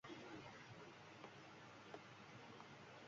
তার দুই পুত্র সুরেশ ও বিমল বিপ্লবী দলে যোগ দেন।